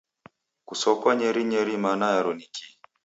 Kisokwa nyerinyeiri mana yaro ni kii?